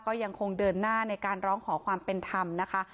ก็ยังคงเดินหน้าในการร้องขอความเป็นธรรมนะคะ